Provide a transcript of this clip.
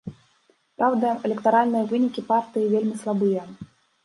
Праўда, электаральныя вынікі партыі вельмі слабыя.